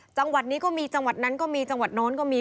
จังหวัดนี้ก็มีจังหวัดนั้นก็มีจังหวัดโน้นก็มี